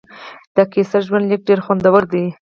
د قیصر ژوندلیک ډېر خوندور دی.